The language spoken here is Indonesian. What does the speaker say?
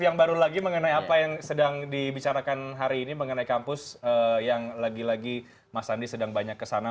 yang baru lagi mengenai apa yang sedang dibicarakan hari ini mengenai kampus yang lagi lagi mas andi sedang banyak kesana